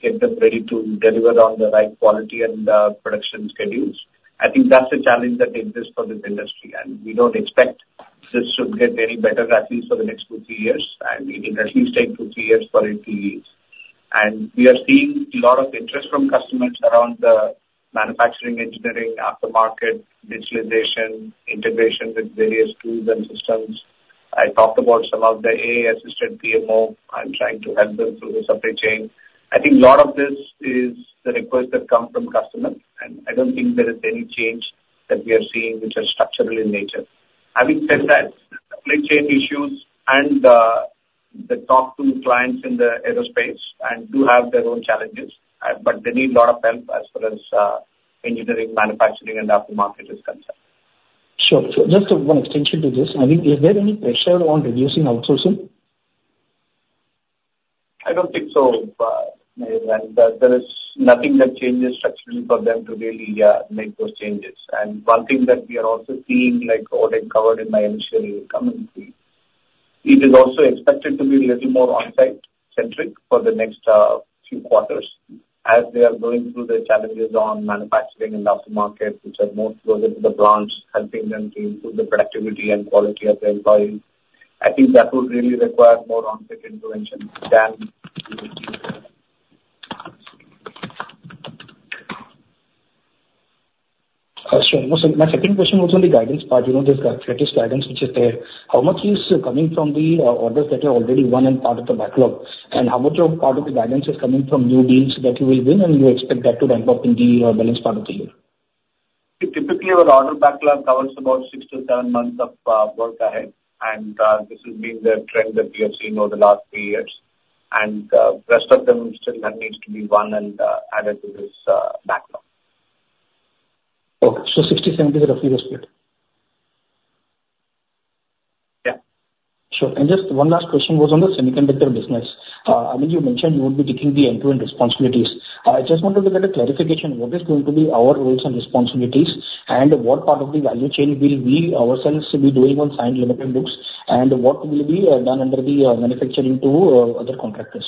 get them ready to deliver on the right quality and production schedules. I think that's a challenge that exists for this industry, and we don't expect this should get any better, at least for the next 2-3 years, and it will at least take 2-3 years for it to ease. We are seeing a lot of interest from customers around the manufacturing, engineering, aftermarket, digitalization, integration with various tools and systems. I talked about some of the AI-assisted PMO. I'm trying to help them through the supply chain. I think a lot of this is the request that come from customers, and I don't think there is any change that we are seeing which are structural in nature. Having said that, supply chain issues and the top two clients in the aerospace and do have their own challenges, but they need a lot of help as far as engineering, manufacturing, and aftermarket is concerned. Sure. So just one extension to this. I mean, is there any pressure on reducing outsourcing? I don't think so. And there, there is nothing that changes structurally for them to really, yeah, make those changes. And one thing that we are also seeing, like what I covered in my initial commentary, it is also expected to be a little more on-site centric for the next few quarters as they are going through the challenges on manufacturing and aftermarket, which are more closer to the branch, helping them to improve the productivity and quality of the employees. I think that would really require more on-site intervention than Got you. So my second question was on the guidance part. You know, there's the latest guidance which is there. How much is coming from the orders that you already won and part of the backlog? And how much of part of the guidance is coming from new deals that you will win, and you expect that to ramp up in the balance part of the year? Typically, our order backlog covers about six to seven months of work ahead, and this has been the trend that we have seen over the last three years. And, rest of them still that needs to be won and added to this backlog. Okay. So 60, 70 is a rough split? Yeah. Sure. And just one last question was on the semiconductor business. I mean, you mentioned you would be taking the end-to-end responsibilities. I just wanted to get a clarification, what is going to be our roles and responsibilities? And what part of the value chain will we ourselves be doing on Cyient Limited books, and what will be done under the manufacturing to other contractors?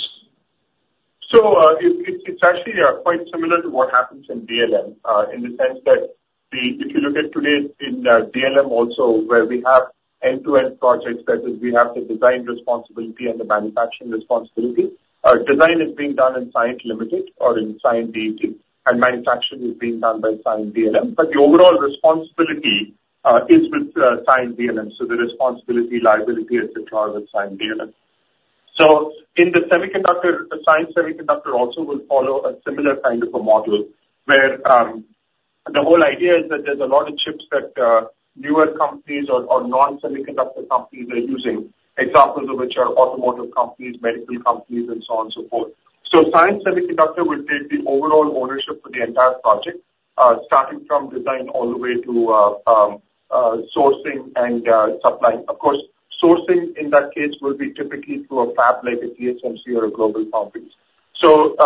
So, it's actually quite similar to what happens in DLM, in the sense that the... If you look at today in DLM also, where we have end-to-end projects, that is, we have the design responsibility and the manufacturing responsibility. Our design is being done in Cyient Limited or in Cyient DET, and manufacturing is being done by Cyient DLM. But the overall responsibility is with Cyient DLM, so the responsibility, liability, et cetera, with Cyient DLM. So in the semiconductor, the Cyient Semiconductor also will follow a similar kind of a model, where the whole idea is that there's a lot of chips that newer companies or non-semiconductor companies are using, examples of which are automotive companies, medical companies, and so on, so forth. So Cyient Semiconductor will take the overall ownership for the entire project, starting from design all the way to, sourcing and, supplying. Of course, sourcing in that case will be typically through a fab like a TSMC or a GlobalFoundries. So,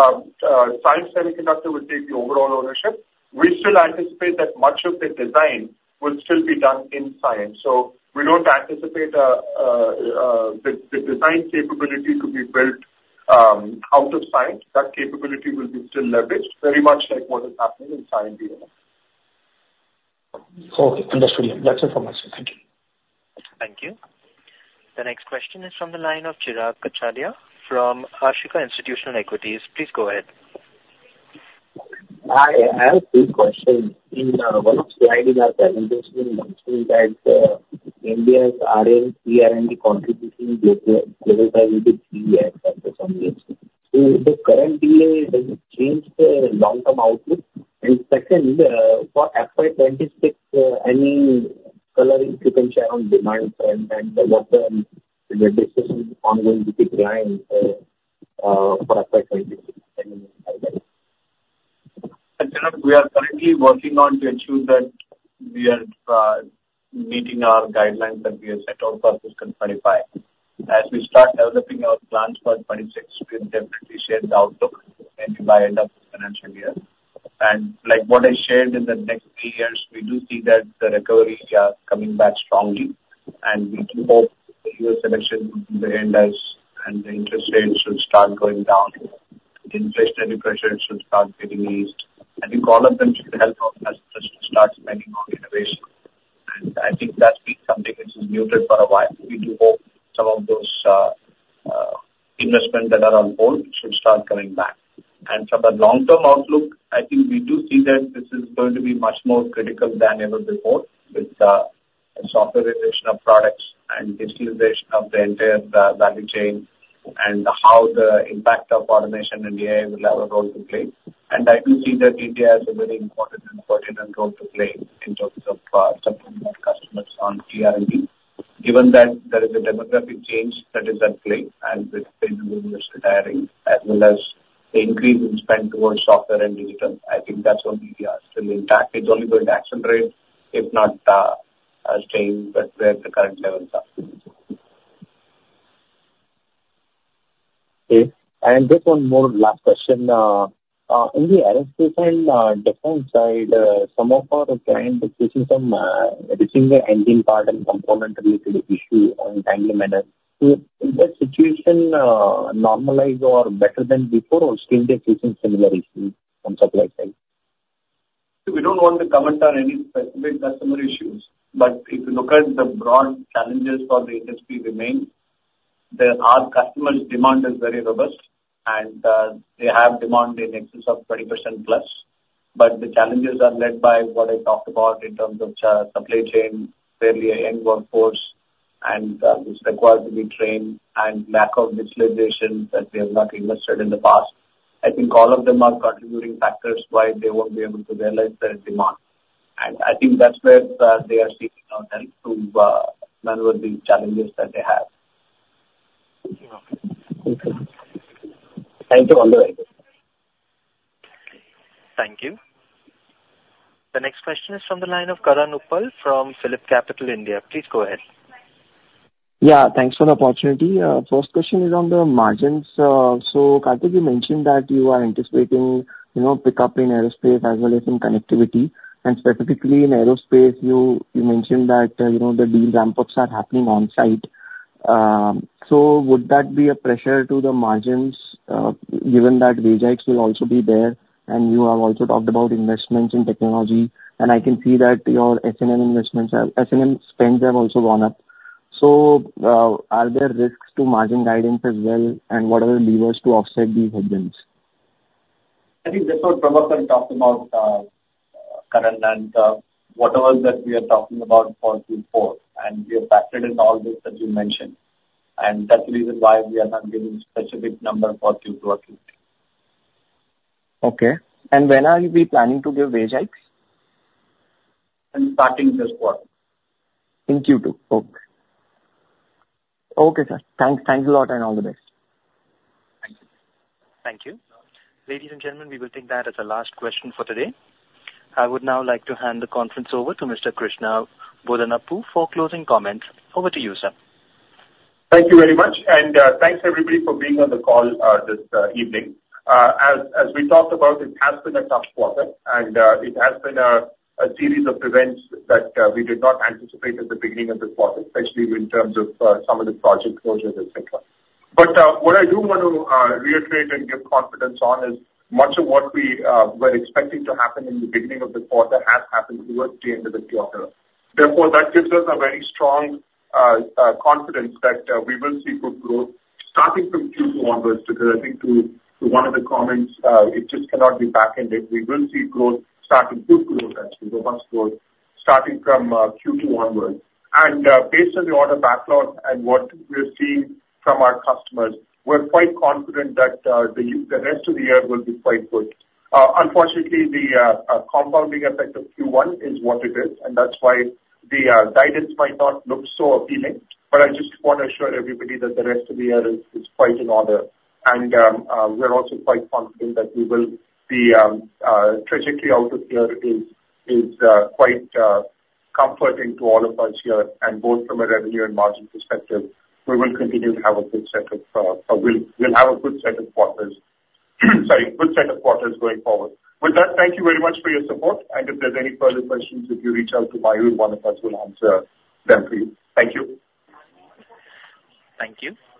Cyient Semiconductor will take the overall ownership. We still anticipate that much of the design will still be done in Cyient. So we don't anticipate the design capability to be built out of Cyient. That capability will still be leveraged, very much like what is happening in Cyient DLM. Okay, understood. That's it from my side. Thank you. Thank you. The next question is from the line of Chirag Kachhadiya from Ashika Institutional Equities. Please go ahead. Hi, I have two questions. In one of the slides in our presentation, you mentioned that India's ER&D the contribution. So the current delay, does it change the long-term outlook? Second, for FY 2026, any coloring you can share on demand front and what are the discussions ongoing with the client for FY 2026? We are currently working on to ensure that we are, meeting our guidelines that we have set out for fiscal 25. As we start developing our plans for 26, we'll definitely share the outlook by end of financial year. And like what I shared in the next three years, we do see that the recovery, coming back strongly, and we do hope the U.S. election would end as, and the interest rates should start going down, inflationary pressures should start getting eased. I think all of them should help us just to start spending on innovation. And I think that's been something which is muted for a while. We do hope some of those, investment that are on hold should start coming back. From a long-term outlook, I think we do see that this is going to be much more critical than ever before, with the softwarization of products and digitalization of the entire value chain, and how the impact of automation and AI will have a role to play. I do see that DET has a very important and pertinent role to play in terms of supporting our customers on R&D. Given that there is a demographic change that is at play and with retiring, as well as the increase in spend towards software and digital, I think that's only still intact. It's only going to accelerate, if not staying where the current levels are. Okay, and just one more last question. In the aerospace and defense side, some of our clients are facing some reaching the engine part and component related issue on timely manner. So is that situation normalized or better than before, or still they're facing similar issues on supply side? We don't want to comment on any specific customer issues, but if you look at the broad challenges for the industry remain, then our customers' demand is very robust, and they have demand in excess of 20%+. But the challenges are led by what I talked about in terms of supply chain, barely adequate workforce, and which require to be trained, and lack of digitalization that they have not invested in the past. I think all of them are contributing factors why they won't be able to realize their demand. And I think that's where they are seeking our help to maneuver the challenges that they have. Okay. Thank you. Thank you all the way. ...Thank you. The next question is from the line of Karan Uppal from PhillipCapital. Please go ahead. Yeah, thanks for the opportunity. First question is on the margins. So Karthik, you mentioned that you are anticipating, you know, pickup in aerospace as well as in connectivity, and specifically in aerospace, you mentioned that, you know, the de-ramp ups are happening on site. So would that be a pressure to the margins, given that wage hikes will also be there, and you have also talked about investments in technology, and I can see that your S&M investments are, S&M spends have also gone up. So, are there risks to margin guidance as well, and what are the levers to offset these headwinds? I think that's what Prabhakar talked about, Karan, and, whatever that we are talking about for Q4, and we have factored in all this that you mentioned, and that's the reason why we are not giving specific number for Q2 or Q3. Okay. And when are you planning to give wage hikes? In starting this quarter. In Q2? Okay. Okay, sir. Thanks. Thanks a lot, and all the best. Thank you. Thank you. Ladies and gentlemen, we will take that as the last question for today. I would now like to hand the conference over to Mr. Krishna Bodanapu for closing comments. Over to you, sir. Thank you very much, and thanks everybody for being on the call this evening. As we talked about, it has been a tough quarter, and it has been a series of events that we did not anticipate at the beginning of the quarter, especially in terms of some of the project closures, etc. But what I do want to reiterate and give confidence on is much of what we were expecting to happen in the beginning of the quarter has happened towards the end of the quarter. Therefore, that gives us a very strong confidence that we will see good growth starting from Q2 onwards, because I think to one of the comments, it just cannot be backended. We will see growth starting, good growth actually, robust growth, starting from Q2 onwards. And based on the order backlog and what we're seeing from our customers, we're quite confident that the rest of the year will be quite good. Unfortunately, the compounding effect of Q1 is what it is, and that's why the guidance might not look so appealing. But I just want to assure everybody that the rest of the year is quite in order, and we're also quite confident that we will be trajectory out of here is quite comforting to all of us here. And both from a revenue and margin perspective, we will continue to have a good set of quarters. Sorry, good set of quarters going forward. With that, thank you very much for your support, and if there's any further questions, if you reach out to Mayur, one of us will answer them for you. Thank you. Thank you.